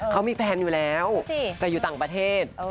เขามีแฟนอยู่แล้วแต่อยู่ต่างประเทศ